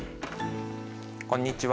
こんにちは。